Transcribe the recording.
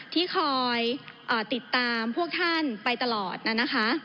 ที่คอยติดตามพวกท่านไปตลอดนะคะ